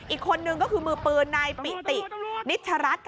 อีกคนนึงก็คือมือปืนนายปิตินิชรัฐ